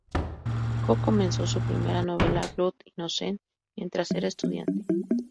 Cook comenzó su primera novela, "Blood Innocents", mientras era estudiante.